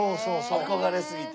憧れすぎて。